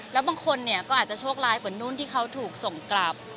แล้วบางคนเนี่ยก็อาจจะโชคร้ายกว่านุ่นที่เขาถูกส่งกลับ